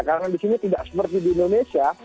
karena di sini tidak seperti di indonesia